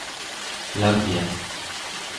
elagyaq